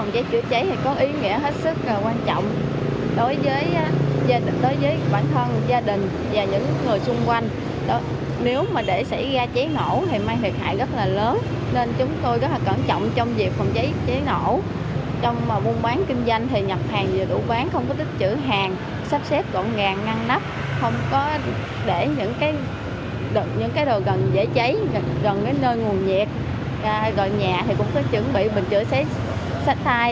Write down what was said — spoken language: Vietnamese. để cháy gần đến nơi nguồn nhiệt gọi nhà thì cũng có chuẩn bị bình chữa sách thai